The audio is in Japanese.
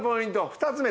２つ目